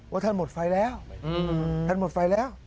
ท่านหมดไฟแล้วท่านหมดไฟแล้ว